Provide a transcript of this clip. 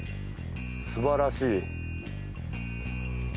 すばらしい。